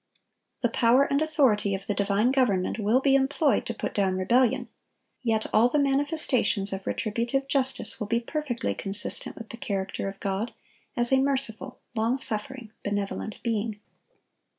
(951) The power and authority of the divine government will be employed to put down rebellion; yet all the manifestations of retributive justice will be perfectly consistent with the character of God as a merciful, long suffering, benevolent being.